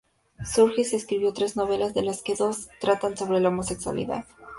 Sturgis escribió tres novelas, de las que dos tratan sobre la homosexualidad.